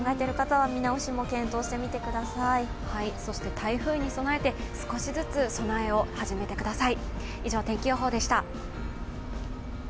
台風に備えて、少しずつ、備えを始めてください。